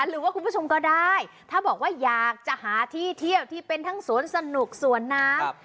หรือว่าคุณผู้ชมก็ได้ถ้าบอกว่าอยากจะหาที่เที่ยวที่เป็นทั้งสวนสนุกสวนน้ำ